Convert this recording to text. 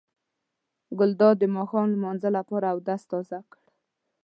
ګلداد د ماښام لمانځه لپاره اودس تازه کړ.